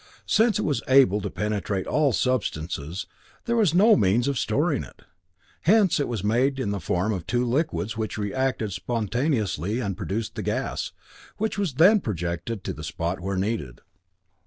Since it was able to penetrate all substances, there was no means of storing it. Hence it was made in the form of two liquids which reacted spontaneously and produced the gas, which was then projected to the spot where needed.